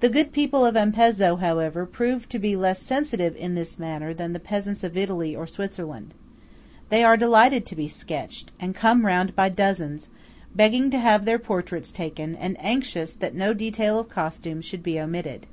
The good people of Ampezzo, however, prove to be less sensitive in this matter than the peasants of Italy or Switzerland. They are delighted to be sketched, and come round by dozens, begging to have their portraits taken, and anxious that no detail of costume should be omitted.